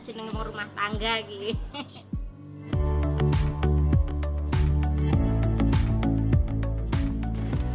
jeneng mau rumah tangga gini